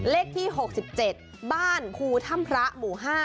เลขที่๖๗บ้านภูถ้ำพระหมู่๕